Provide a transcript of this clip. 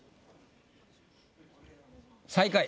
最下位。